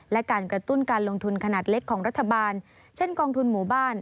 และการกระตุ้นการลงทุนขนาดเล็กของรัฐบาลเช่นกองทุนหมู่บ้าน